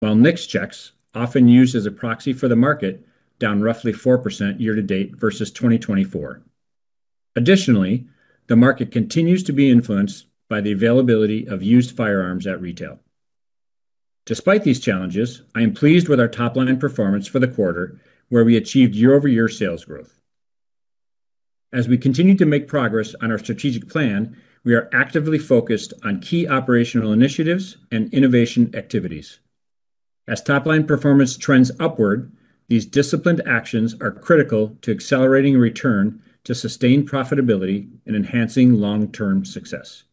While NICS checks, often used as a proxy for the market, are down roughly 4% year-to-date versus 2024. Additionally, the market continues to be influenced by the availability of used firearms at retail. Despite these challenges, I am pleased with our top-line performance for the quarter, where we achieved year-over-year sales growth. As we continue to make progress on our strategic plan, we are actively focused on key operational initiatives and innovation activities. As top-line performance trends upward, these disciplined actions are critical to accelerating return to sustained profitability and enhancing long-term success.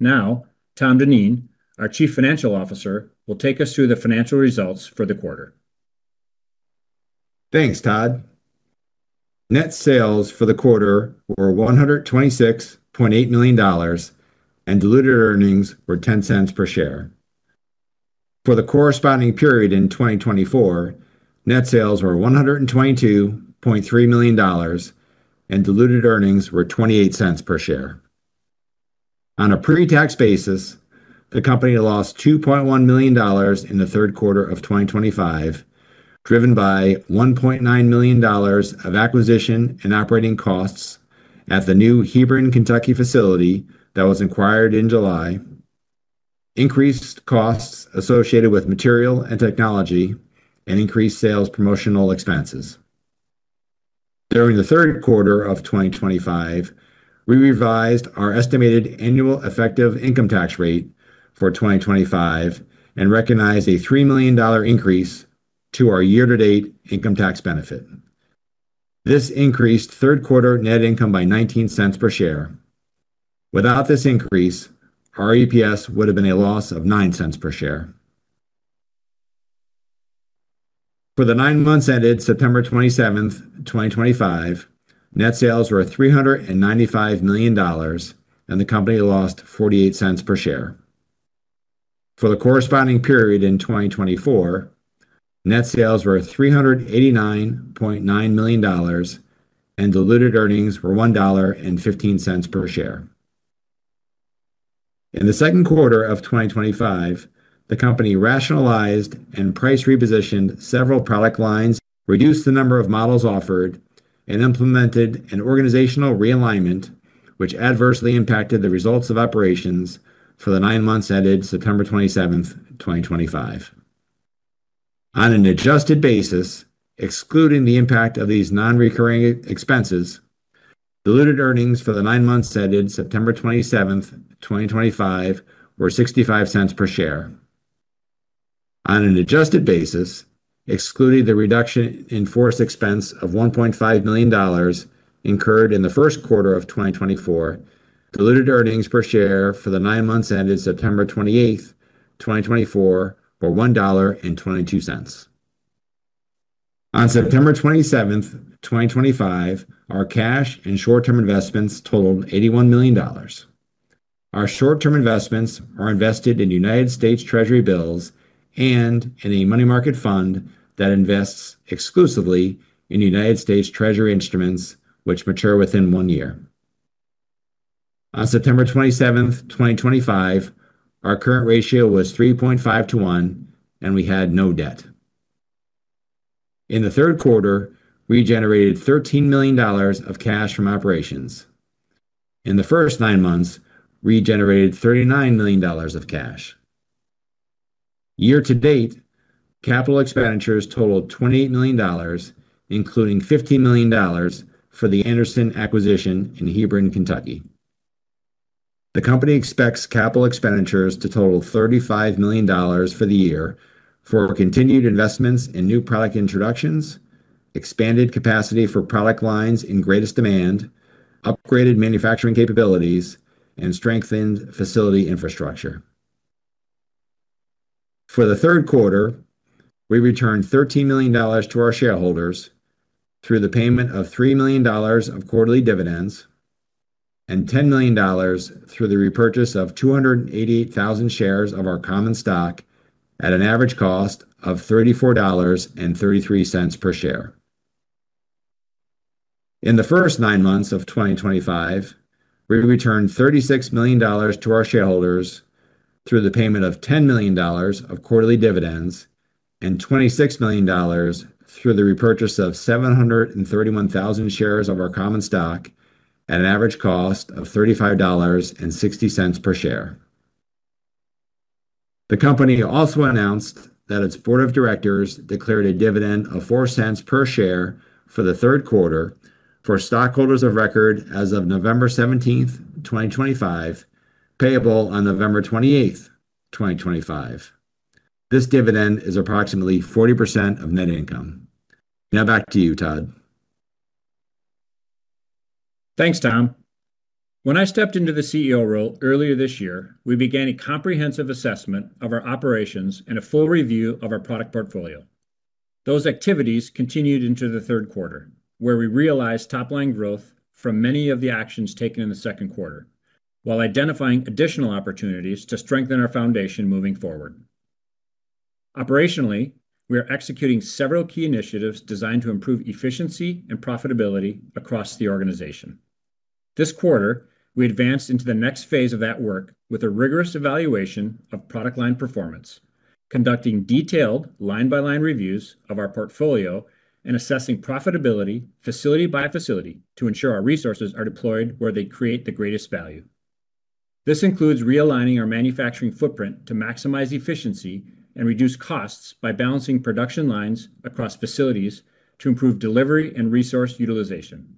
Now, Tom Dineen, our Chief Financial Officer, will take us through the financial results for the quarter. Thanks, Todd. Net sales for the quarter were $126.8 million. Diluted earnings were $0.10 per share. For the corresponding period in 2024, net sales were $122.3 million. Diluted earnings were $0.28 per share. On a pre-tax basis, the company lost $2.1 million in the third quarter of 2025. This was driven by $1.9 million of acquisition and operating costs at the new Hebron, Kentucky facility that was acquired in July, increased costs associated with material and technology, and increased sales promotional expenses. During the third quarter of 2025, we revised our estimated annual effective income tax rate for 2025 and recognized a $3 million increase to our year-to-date income tax benefit. This increased third-quarter net income by $0.19 per share. Without this increase, our EPS would have been a loss of $0.09 per share. For the nine months ended September 27, 2025. Net sales were $395 million, and the company lost $0.48 per share for the corresponding period in 2024. Net sales were $389.9 million, and diluted earnings were $1.15 per share. In the second quarter of 2025, the company rationalized and price repositioned several product lines, reduced the number of models offered, and implemented an organizational realignment, which adversely impacted the results of operations for the nine months ended September 27, 2025. On an adjusted basis, excluding the impact of these non-recurring expenses, diluted earnings for the nine months ended September 27, 2025, were $0.65 per share. On an adjusted basis, excluding the reduction in force expense of $1.5 million incurred in the first quarter of 2024, diluted earnings per share for the nine months ended September 28, 2024, were $1.22. On September 27, 2025, our cash and short-term investments totaled $81 million. Our short-term investments are invested in United States Treasury bills and in a money market fund that invests exclusively in United States Treasury instruments, which mature within one year. On September 27, 2025, our current ratio was 3.5 to 1, and we had no debt. In the third quarter, we generated $13 million of cash from operations. In the first nine months, we generated $39 million of cash. Year-to-date, capital expenditures totaled $28 million, including $15 million for the Anderson acquisition in Hebron, Kentucky. The company expects capital expenditures to total $35 million for the year for continued investments in new product introductions, expanded capacity for product lines in greatest demand, upgraded manufacturing capabilities, and strengthened facility infrastructure. For the third quarter, we returned $13 million to our shareholders through the payment of $3 million of quarterly dividends. $10 million through the repurchase of 288,000 shares of our common stock at an average cost of $34.33 per share. In the first nine months of 2025, we returned $36 million to our shareholders through the payment of $10 million of quarterly dividends and $26 million through the repurchase of 731,000 shares of our common stock at an average cost of $35.60 per share. The company also announced that its board of directors declared a dividend of $0.04 per share for the third quarter for stockholders of record as of November 17, 2025, payable on November 28, 2025. This dividend is approximately 40% of net income. Now back to you, Todd. Thanks, Tom. When I stepped into the CEO role earlier this year, we began a comprehensive assessment of our operations and a full review of our product portfolio. Those activities continued into the third quarter, where we realized top-line growth from many of the actions taken in the second quarter, while identifying additional opportunities to strengthen our foundation moving forward. Operationally, we are executing several key initiatives designed to improve efficiency and profitability across the organization. This quarter, we advanced into the next phase of that work with a rigorous evaluation of product line performance, conducting detailed line-by-line reviews of our portfolio and assessing profitability facility by facility to ensure our resources are deployed where they create the greatest value. This includes realigning our manufacturing footprint to maximize efficiency and reduce costs by balancing production lines across facilities to improve delivery and resource utilization.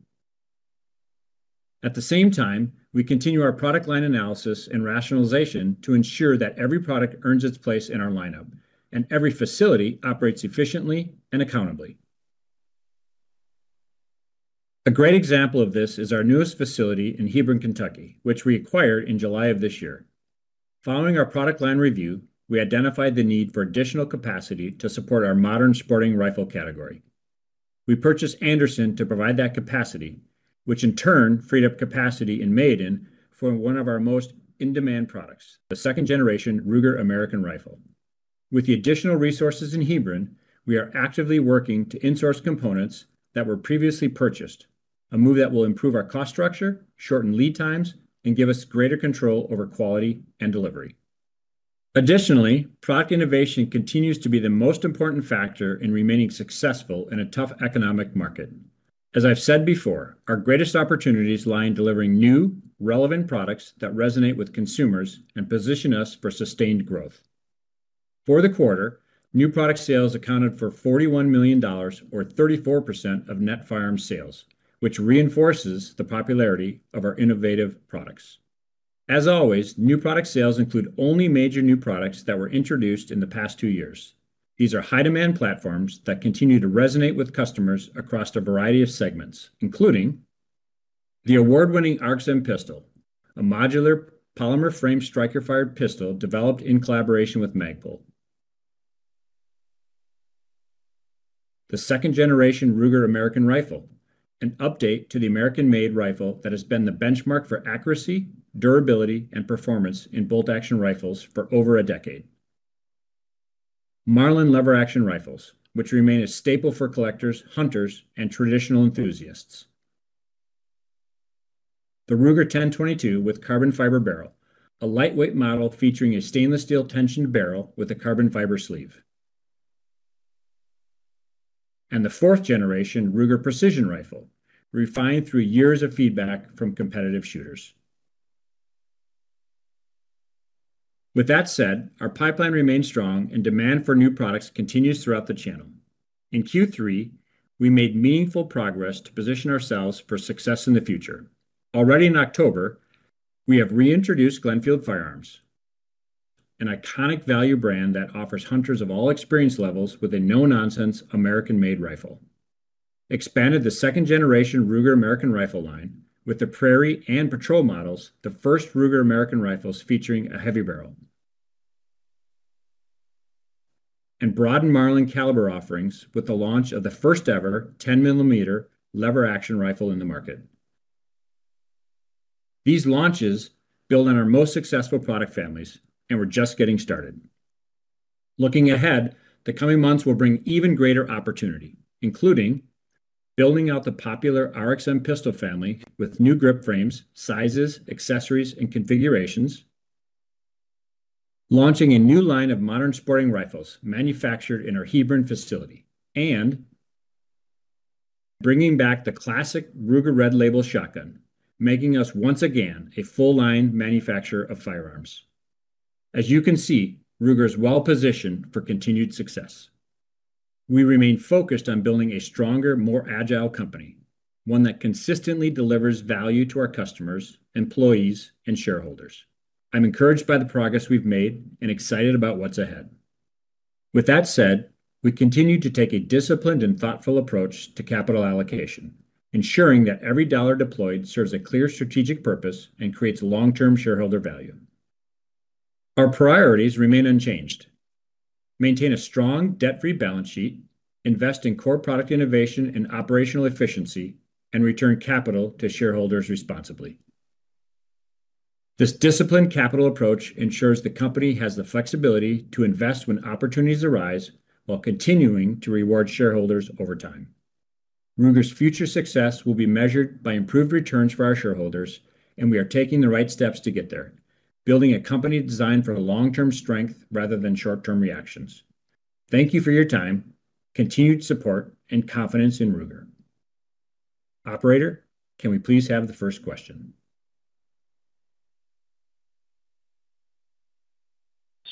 At the same time, we continue our product line analysis and rationalization to ensure that every product earns its place in our lineup and every facility operates efficiently and accountably. A great example of this is our newest facility in Hebron, Kentucky, which we acquired in July of this year. Following our product line review, we identified the need for additional capacity to support our modern sporting rifle category. We purchased Anderson to provide that capacity, which in turn freed up capacity in Maiden for one of our most in-demand products, the second-generation Ruger American Rifle. With the additional resources in Hebron, we are actively working to insource components that were previously purchased, a move that will improve our cost structure, shorten lead times, and give us greater control over quality and delivery. Additionally, product innovation continues to be the most important factor in remaining successful in a tough economic market. As I've said before, our greatest opportunities lie in delivering new, relevant products that resonate with consumers and position us for sustained growth. For the quarter, new product sales accounted for $41 million, or 34% of net firearm sales, which reinforces the popularity of our innovative products. As always, new product sales include only major new products that were introduced in the past two years. These are high-demand platforms that continue to resonate with customers across a variety of segments, including the award-winning RXM pistol, a modular polymer frame striker-fired pistol developed in collaboration with Magpul. The second-generation Ruger American Rifle, an update to the American-made rifle that has been the benchmark for accuracy, durability, and performance in bolt action rifles for over a decade. Marlin lever-action rifles, which remain a staple for collectors, hunters, and traditional enthusiasts. The Ruger 10/22 with carbon fiber barrel, a lightweight model featuring a stainless steel tensioned barrel with a carbon fiber sleeve. The fourth-generation Ruger Precision Rifle, refined through years of feedback from competitive shooters. With that said, our pipeline remains strong and demand for new products continues throughout the channel. In Q3, we made meaningful progress to position ourselves for success in the future. Already in October, we have reintroduced Glenfield Firearms, an iconic value brand that offers hunters of all experience levels a no-nonsense American-made rifle. We expanded the second-generation Ruger American Rifle line with the Prairie and Patrol models, the first Ruger American Rifles featuring a heavy barrel. We also broadened Marlin caliber offerings with the launch of the first-ever 10 mm lever-action rifle in the market. These launches build on our most successful product families, and we're just getting started. Looking ahead, the coming months will bring even greater opportunity, including building out the popular RXM Pistol family with new grip frames, sizes, accessories, and configurations. Launching a new line of modern sporting rifles manufactured in our Hebron facility, and bringing back the classic Ruger Red Label Shotgun, making us once again a full-line manufacturer of firearms. As you can see, Ruger is well-positioned for continued success. We remain focused on building a stronger, more agile company, one that consistently delivers value to our customers, employees, and shareholders. I'm encouraged by the progress we've made and excited about what's ahead. With that said, we continue to take a disciplined and thoughtful approach to capital allocation, ensuring that every dollar deployed serves a clear strategic purpose and creates long-term shareholder value. Our priorities remain unchanged. Maintain a strong debt-free balance sheet, invest in core product innovation and operational efficiency, and return capital to shareholders responsibly. This disciplined capital approach ensures the company has the flexibility to invest when opportunities arise while continuing to reward shareholders over time. Ruger's future success will be measured by improved returns for our shareholders, and we are taking the right steps to get there, building a company designed for long-term strength rather than short-term reactions. Thank you for your time, continued support, and confidence in Ruger. Operator, can we please have the first question?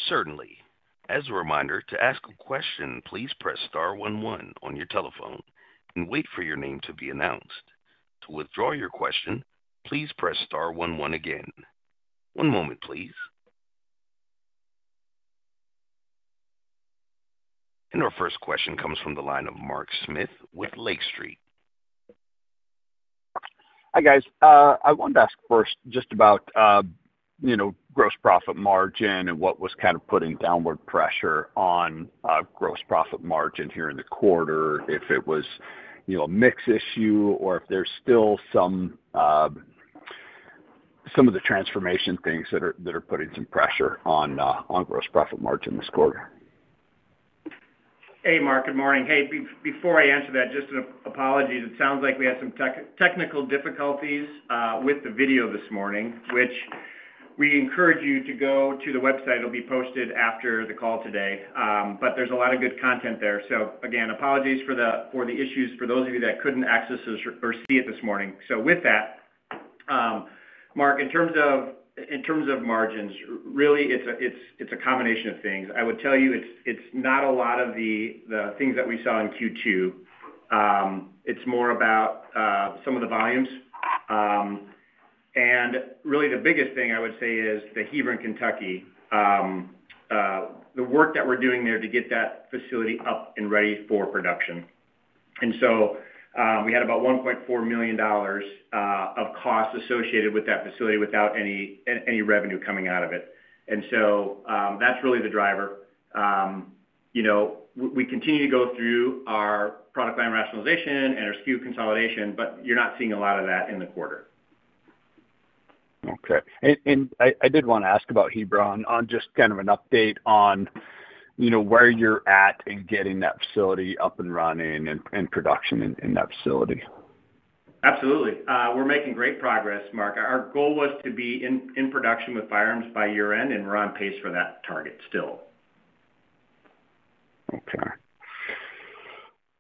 Certainly. As a reminder, to ask a question, please press star one one on your telephone and wait for your name to be announced. To withdraw your question, please press star one one again. One moment, please. Our first question comes from the line of Mark Smith with Lake Street. Hi, guys. I wanted to ask first just about gross profit margin and what was kind of putting downward pressure on gross profit margin here in the quarter, if it was a mix issue or if there's still some of the transformation things that are putting some pressure on gross profit margin this quarter. Hey, Mark, good morning. Hey, before I answer that, just an apology. It sounds like we had some technical difficulties with the video this morning, which. We encourage you to go to the website. It'll be posted after the call today. There is a lot of good content there. Again, apologies for the issues for those of you that could not access or see it this morning. With that. Mark, in terms of margins, really, it is a combination of things. I would tell you it is not a lot of the things that we saw in Q2. It is more about some of the volumes. Really, the biggest thing I would say is the Hebron, Kentucky. The work that we are doing there to get that facility up and ready for production. We had about $1.4 million. Of costs associated with that facility without any revenue coming out of it. That is really the driver. We continue to go through our product line rationalization and our SKU consolidation, but you're not seeing a lot of that in the quarter. Okay. I did want to ask about Hebron on just kind of an update on where you're at in getting that facility up and running and production in that facility. Absolutely. We're making great progress, Mark. Our goal was to be in production with firearms by year-end, and we're on pace for that target still. Okay.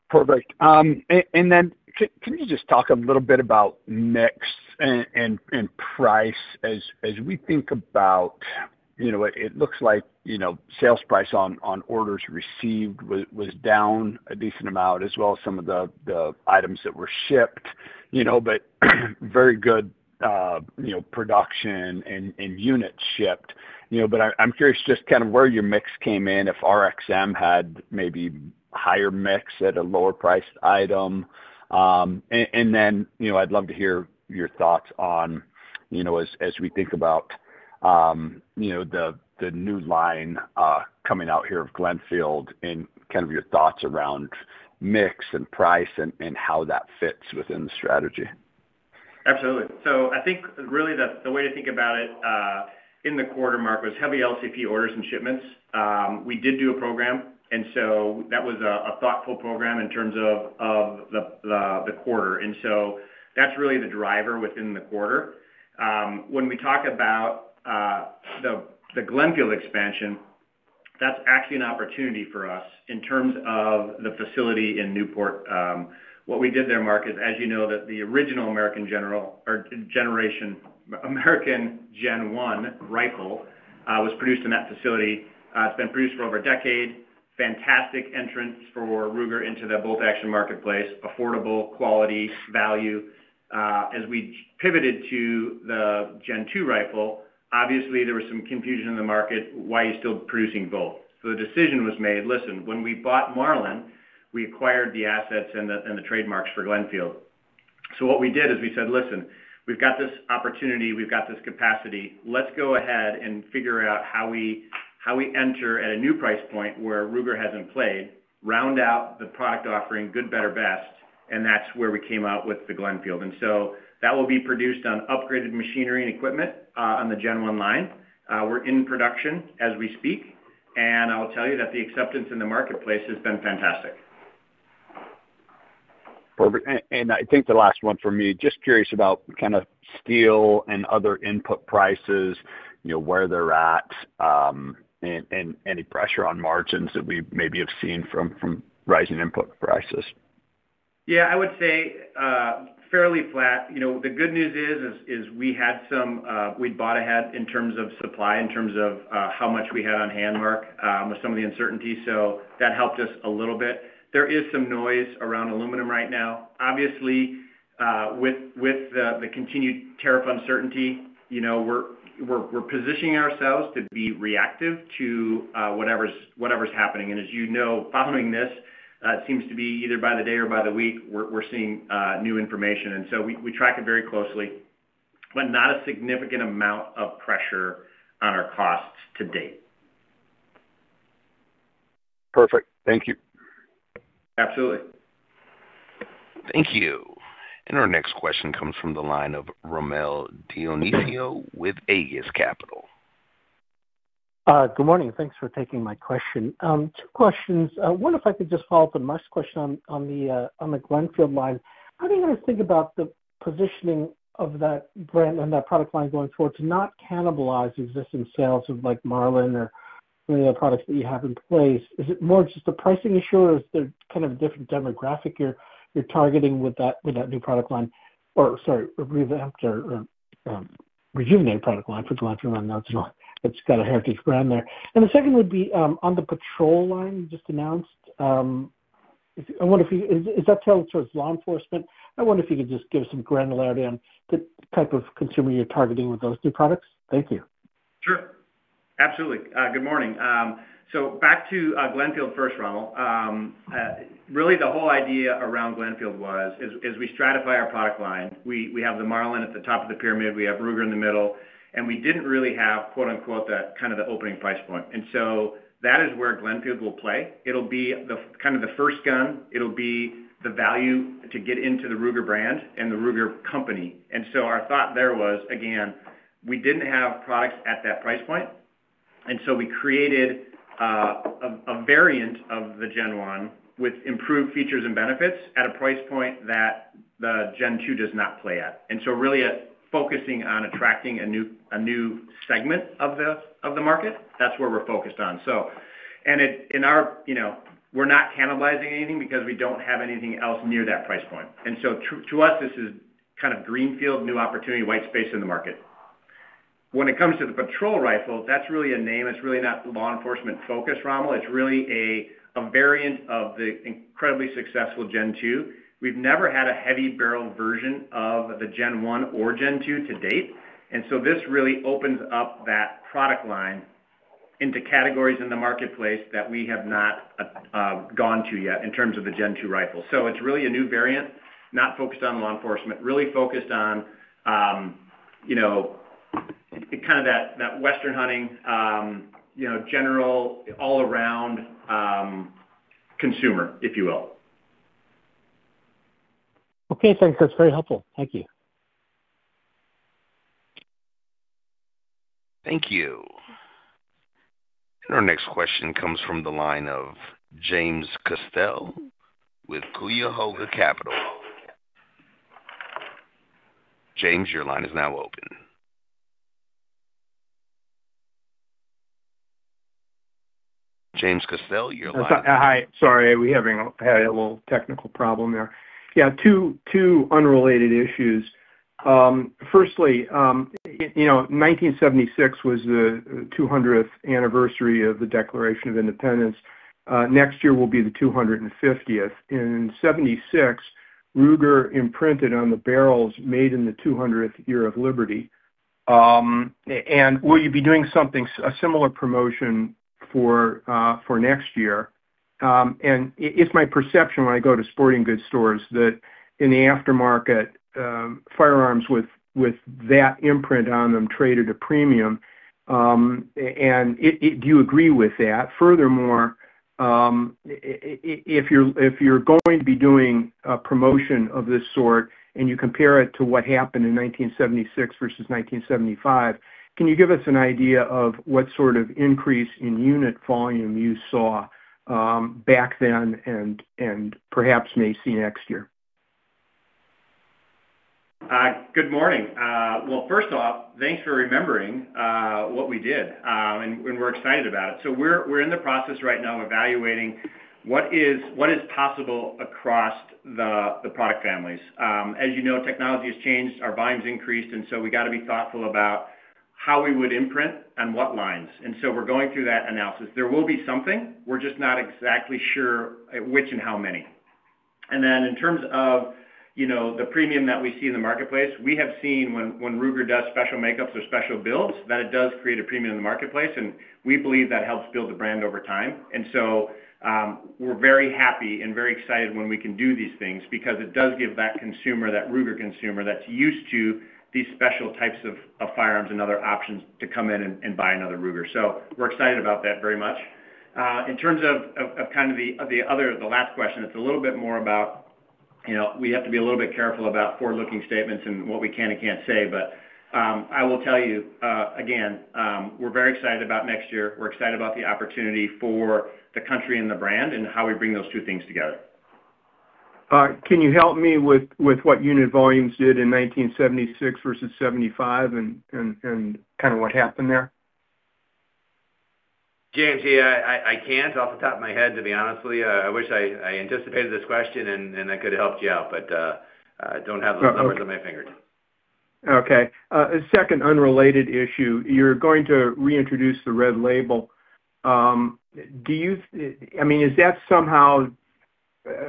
Perfect. Can you just talk a little bit about mix and price as we think about it? It looks like sales price on orders received was down a decent amount, as well as some of the items that were shipped. Very good production and units shipped. I'm curious just kind of where your mix came in, if RXM had maybe higher mix at a lower-priced item. I'd love to hear your thoughts on, as we think about the new line coming out here of Glenfield and kind of your thoughts around mix and price and how that fits within the strategy. Absolutely. I think really the way to think about it in the quarter, Mark, was heavy LCP orders and shipments. We did do a program, and that was a thoughtful program in terms of the quarter. That is really the driver within the quarter. When we talk about the Glenfield expansion, that is actually an opportunity for us in terms of the facility in Newport. What we did there, Mark, is, as you know, the original American Gen 1 rifle was produced in that facility. It has been produced for over a decade. Fantastic entrance for Ruger into the bolt action marketplace. Affordable, quality, value. As we pivoted to the Gen 2 rifle, obviously, there was some confusion in the market. Why are you still producing both? The decision was made, "Listen, when we bought Marlin, we acquired the assets and the trademarks for Glenfield." What we did is we said, "Listen, we've got this opportunity. We've got this capacity. Let's go ahead and figure out how we enter at a new price point where Ruger hasn't played, round out the product offering, good, better, best." That is where we came out with the Glenfield. That will be produced on upgraded machinery and equipment on the Gen 1 line. We're in production as we speak. I'll tell you that the acceptance in the marketplace has been fantastic. Perfect. I think the last one for me, just curious about kind of steel and other input prices, where they're at. Any pressure on margins that we maybe have seen from rising input prices? Yeah, I would say. Fairly flat. The good news is we had some we'd bought ahead in terms of supply, in terms of how much we had on hand, Mark, with some of the uncertainty. So that helped us a little bit. There is some noise around aluminum right now. Obviously. With the continued tariff uncertainty. We're positioning ourselves to be reactive to whatever's happening. And as you know, following this, it seems to be either by the day or by the week, we're seeing new information. And so we track it very closely, but not a significant amount of pressure on our costs to date. Perfect. Thank you. Absolutely. Thank you. Our next question comes from the line of Rommel Dionisio with Aegis Capital. Good morning. Thanks for taking my question. Two questions. One if I could just follow up on Mark's question on the Glenfield line. How do you guys think about the positioning of that brand and that product line going forward to not cannibalize existing sales of Marlin or any of the products that you have in place? Is it more just a pricing issue, or is there kind of a different demographic you're targeting with that new product line? Or sorry, a revamped or. Rejuvenated product line for the Glenfield line, that's got a heritage brand there. And the second would be on the Patrol line you just announced. I wonder if you—is that tailored towards law enforcement? I wonder if you could just give some granularity on the type of consumer you're targeting with those new products. Thank you. Sure. Absolutely. Good morning. So back to Glenfield first, Rommel. Really, the whole idea around Glenfield was, as we stratify our product line, we have the Marlin at the top of the pyramid, we have Ruger in the middle, and we didn't really have "that kind of the opening price point." And so that is where Glenfield will play. It'll be kind of the first gun. It'll be the value to get into the Ruger brand and the Ruger company. And so our thought there was, again, we didn't have products at that price point. And so we created. A variant of the Gen 1 with improved features and benefits at a price point that the Gen 2 does not play at. And so really focusing on attracting a new segment of the market, that's where we're focused on. And. We're not cannibalizing anything because we don't have anything else near that price point. And so to us, this is kind of greenfield, new opportunity, white space in the market. When it comes to the Patrol rifle, that's really a name. It's really not law enforcement-focused, Rommel. It's really a variant of the incredibly successful Gen 2. We've never had a heavy barrel version of the Gen 1 or Gen 2 to date. And so this really opens up that product line. Into categories in the marketplace that we have not. Gone to yet in terms of the Gen 2 rifle. So it's really a new variant, not focused on law enforcement, really focused on. Kind of that Western hunting. General all-around. Consumer, if you will. Okay. Thanks. That's very helpful. Thank you. Thank you. And our next question comes from the line of James Kostell with Cuyahoga Capital. James, your line is now open. James Kostell, your line. Hi. Sorry. We had a little technical problem there. Yeah, two unrelated issues. Firstly. 1976 was the 200th anniversary of the Declaration of Independence. Next year will be the 250th. In 1976, Ruger imprinted on the barrels made in the 200th year of Liberty. And we'll be doing something, a similar promotion for. Next year. And it's my perception when I go to sporting goods stores that in the aftermarket. Firearms with that imprint on them traded a premium. And do you agree with that? Furthermore, if you're going to be doing a promotion of this sort and you compare it to what happened in 1976 versus 1975, can you give us an idea of what sort of increase in unit volume you saw. Back then and perhaps may see next year? Good morning. Well, first off, thanks for remembering what we did. And we're excited about it. So we're in the process right now of evaluating what is possible across the product families. As you know, technology has changed. Our volumes increased. And so we got to be thoughtful about how we would imprint and what lines. And so we're going through that analysis. There will be something. We're just not exactly sure which and how many. And then in terms of. The premium that we see in the marketplace, we have seen when Ruger does special makeups or special builds, that it does create a premium in the marketplace. And we believe that helps build the brand over time. And so. We're very happy and very excited when we can do these things because it does give that consumer, that Ruger consumer that's used to these special types of firearms and other options to come in and buy another Ruger. So we're excited about that very much. In terms of kind of the last question, it's a little bit more about. We have to be a little bit careful about forward-looking statements and what we can and can't say. But I will tell you, again, we're very excited about next year. We're excited about the opportunity for the country and the brand and how we bring those two things together. Can you help me with what unit volumes did in 1976 versus 1975 and kind of what happened there? James, yeah, I can't off the top of my head, to be honest with you. I wish I anticipated this question and I could have helped you out, but I don't have those numbers on my fingers. Okay. A second unrelated issue. You're going to reintroduce the Red Label. I mean, is that somehow.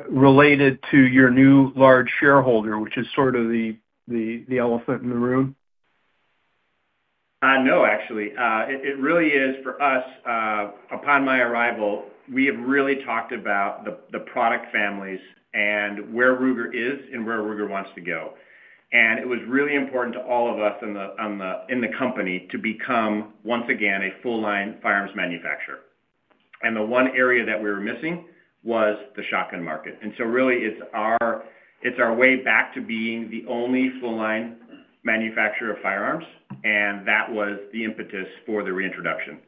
Related to your new large shareholder, which is sort of the. Elephant in the room? No, actually. It really is for us. Upon my arrival, we have really talked about the product families and where Ruger is and where Ruger wants to go. And it was really important to all of us in the company to become, once again, a full-line firearms manufacturer. And the one area that we were missing was the shotgun market. And so really, it's our way back to being the only full-line manufacturer of firearms. And that was the impetus for the reintroduction.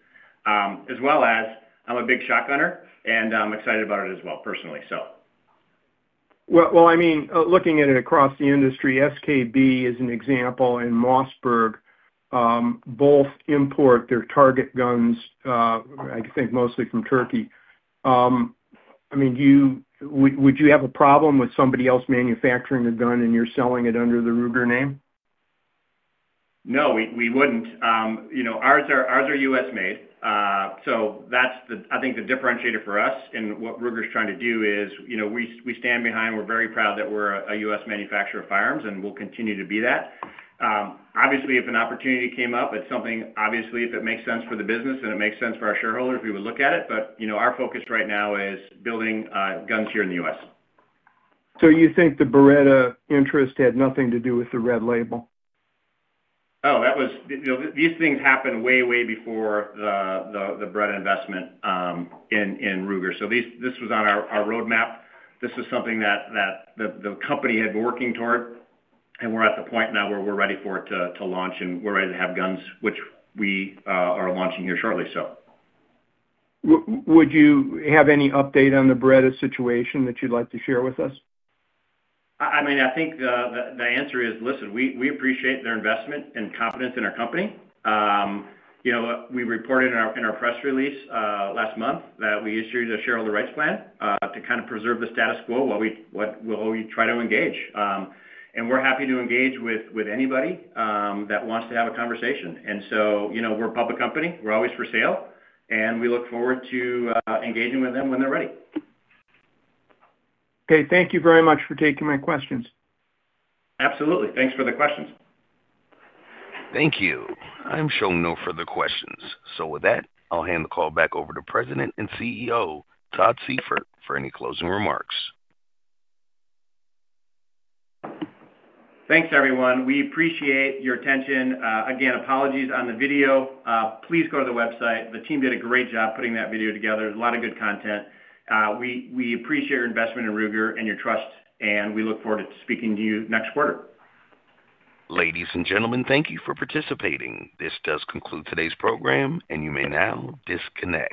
As well as I'm a big shotgunner and I'm excited about it as well, personally, so. Well, I mean, looking at it across the industry, SKB is an example, and Mossberg. Both import their target guns, I think mostly from Turkey. I mean. Would you have a problem with somebody else manufacturing a gun and you're selling it under the Ruger name? No, we wouldn't. Ours are U.S.-made. So that's, I think, the differentiator for us. And what Ruger's trying to do is. We stand behind. We're very proud that we're a U.S. manufacturer of firearms and we'll continue to be that. Obviously, if an opportunity came up, it's something, obviously, if it makes sense for the business and it makes sense for our shareholders, we would look at it. But our focus right now is building guns here in the U.S.. You think the Beretta interest had nothing to do with the Red Label? Oh, these things happened way, way before. The Beretta investment in Ruger. This was on our roadmap. This was something that the company had been working toward. We're at the point now where we're ready for it to launch, and we're ready to have guns, which we are launching here shortly. Would you have any update on the Beretta situation that you'd like to share with us? I mean, I think the answer is, listen, we appreciate their investment and confidence in our company. We reported in our press release last month that we issued a shareholder rights plan to kind of preserve the status quo while we try to engage. And we're happy to engage with anybody that wants to have a conversation. And so we're a public company. We're always for sale. And we look forward to engaging with them when they're ready. Okay. Thank you very much for taking my questions. Absolutely. Thanks for the questions. Thank you. I'm showing no further questions. So with that, I'll hand the call back over to President and CEO Todd Seyfert for any closing remarks. Thanks, everyone. We appreciate your attention. Again, apologies on the video. Please go to the website. The team did a great job putting that video together. There's a lot of good content. We appreciate your investment in Ruger and your trust, and we look forward to speaking to you next quarter. Ladies and gentlemen, thank you for participating. This does conclude today's program, and you may now disconnect.